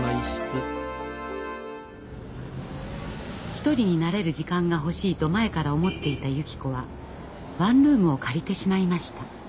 １人になれる時間が欲しいと前から思っていたゆき子はワンルームを借りてしまいました。